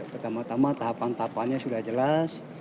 pertama tama tahapan tahapannya sudah jelas